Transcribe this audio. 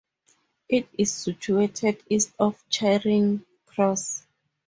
It is situated east of Charing Cross.